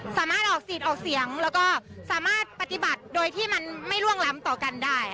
สามารถออกสิทธิ์ออกเสียงแล้วก็สามารถปฏิบัติโดยที่มันไม่ล่วงล้ำต่อกันได้